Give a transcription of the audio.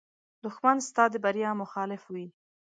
دښمن ستا د بریا مخالف وي